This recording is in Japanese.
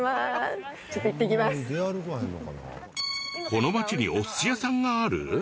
この町にお寿司屋さんがある？